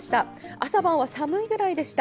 朝晩は寒いくらいでした。